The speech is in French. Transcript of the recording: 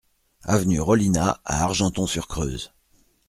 Avenue Rollinat à Argenton-sur-Creuse